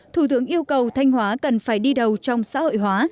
thủ tướng yêu cầu thanh hóa cần phải đi đầu trong xã hội hóa